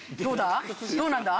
どうだ？